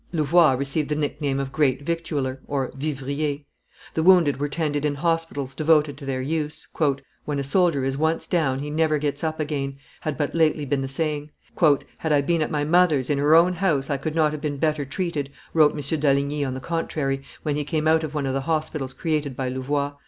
Louvois received the nickname of great Victualler (Vivrier). The wounded were tended in hospitals devoted to their use. "When a soldier is once down, he never gets up again," had but lately been the saying. "Had I been at my mother's, in her own house, I could not have been better treated," wrote M. D'Alligny on the contrary, when he came out of one of the hospitals created by Louvois.